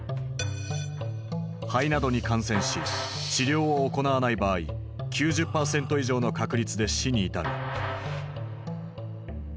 肺などに感染し治療を行わない場合９０％以上の確率で死に至る。